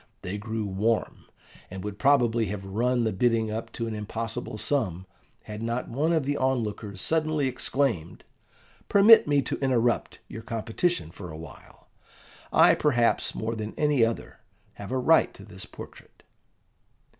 They grew warm, and would probably have run the bidding up to an impossible sum, had not one of the onlookers suddenly exclaimed, "Permit me to interrupt your competition for a while: I, perhaps, more than any other, have a right to this portrait."